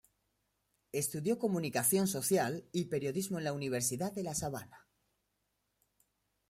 Estudió Comunicación Social y Periodismo en la Universidad de La Sabana.